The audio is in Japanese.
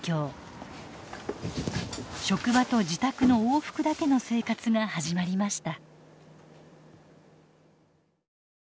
職場と自宅の往復だけの生活が始まりました。